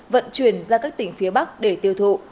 vận chuyển ra các tỉnh phía bắc để tiêu thụ